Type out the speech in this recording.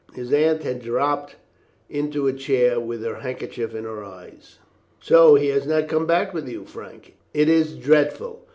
His Aunt had dropped into a chair, with her handkerchief to her eyes. "So he has not come back with you, Frank. It is dreadful.